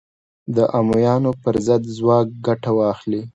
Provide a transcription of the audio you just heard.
د امویانو پر ضد ځواک ګټه واخلي